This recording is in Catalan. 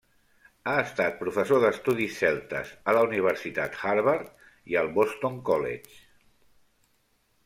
Ha estat professor d'estudis celtes a la Universitat Harvard i al Boston College.